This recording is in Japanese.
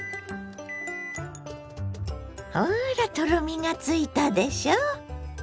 ほらとろみがついたでしょ。